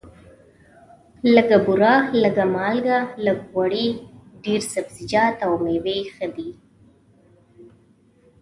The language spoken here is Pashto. لږه بوره، لږه مالګه، لږ غوړي، ډېر سبزیجات او مېوې ښه دي.